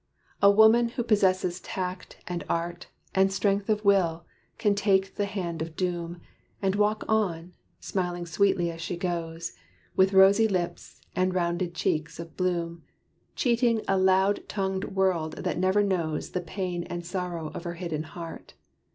A woman who possesses tact and art And strength of will can take the hand of doom, And walk on, smiling sweetly as she goes, With rosy lips, and rounded cheeks of bloom, Cheating a loud tongued world that never knows The pain and sorrow of her hidden heart.